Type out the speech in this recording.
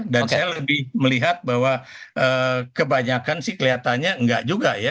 dan saya lebih melihat bahwa kebanyakan sih kelihatannya enggak juga ya